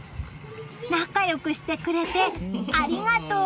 仲良くしてくれてありがと！